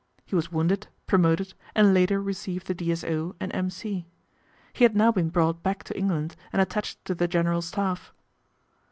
He was wounded, promoted, and later received the D.S.O. and M.C. He had now been brought back to England and attached to the General Staff.